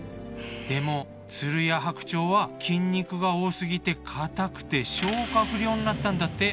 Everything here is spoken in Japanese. でも鶴や白鳥は筋肉が多すぎて硬くて消化不良になったんだって。